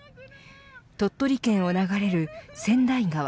鳥取県を流れる千代川